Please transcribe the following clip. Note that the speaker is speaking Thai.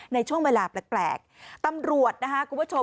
ในช่วงเวลาแปลกตำรวจนะคะคุณผู้ชม